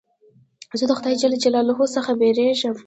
زه د خدای جل جلاله څخه بېرېږم.